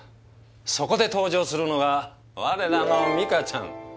そこで登場するのが我らのミカちゃん。